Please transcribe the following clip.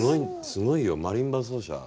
すごいよマリンバ奏者。